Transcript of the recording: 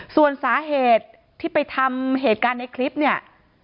ส่วนสาเหตุที่ไปทำเหตุการณ์ในคลิปเนี่ย